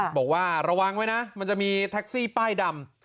บอกว่าระวังไว้นะมันจะมีแท็กซี่ป้ายดำ